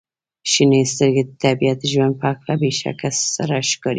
• شنې سترګې د طبیعت د ژوند په هکله بې شک سره ښکاري.